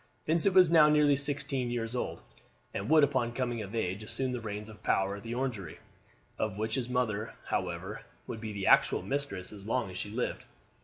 Vincent was now nearly sixteen years old, and would upon coming of age assume the reins of power at the Orangery, of which his mother, however, would be the actual mistress as long as she lived.